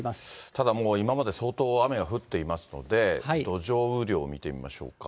ただもう、今まで相当雨が降っていますので、土壌雨量見てみましょうか。